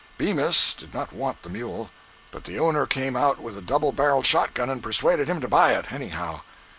Bemis did not want the mule; but the owner came out with a double barreled shotgun and persuaded him to buy it, anyhow.